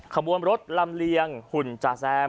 ขบวนรถลำเลียงหุ่นจาแซม